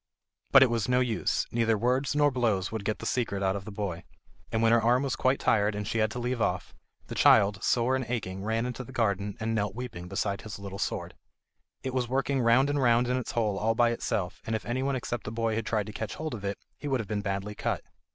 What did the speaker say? But it was no use, neither words nor blows would get the secret out of the boy; and when her arm was quite tired and she had to leave off, the child, sore and aching, ran into the garden and knelt weeping beside his little sword. It was working round and round in its hole all by itself, and if anyone except the boy had tried to catch hold of it, he would have been badly cut.